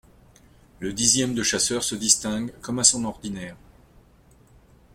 Le dixième de chasseurs se distingue comme à son ordinaire.